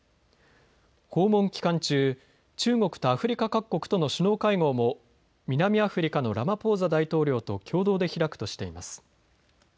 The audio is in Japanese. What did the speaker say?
訪問期間中、中国とアフリカ各国との首脳会合も南アフリカのラマポーザ大統領と共同で開くとしています。